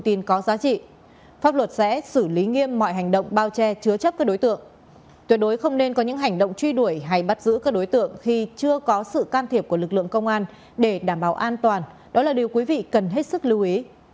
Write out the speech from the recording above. tuyệt đối không nên có những hành động truy đuổi hay bắt giữ các đối tượng khi chưa có sự can thiệp của lực lượng công an để đảm bảo an toàn đó là điều quý vị cần hết sức lưu ý